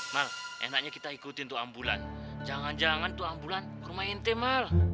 mal enaknya kita ikutin tuh ambulan jangan jangan tuh ambulan ke rumah ente mal